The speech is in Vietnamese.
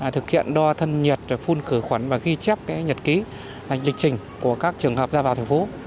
thực hiện đo thân nhiệt phun khử khuẩn và ghi chép nhật ký lịch trình của các trường hợp ra vào thành phố